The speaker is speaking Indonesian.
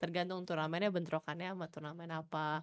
tergantung turnamennya bentrokannya sama turnamen apa